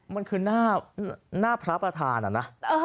มันคือหน้าพระประธานอะนะ